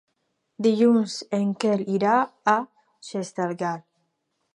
Dilluns en Quel irà a Xestalgar.